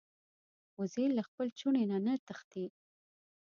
وزې له خپل چوڼي نه نه تښتي